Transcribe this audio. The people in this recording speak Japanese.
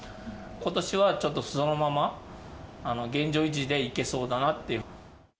ことしはちょっと、そのまま現状維持でいけそうだなっていう。